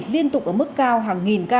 liên tục ở mức cao hàng nghìn ca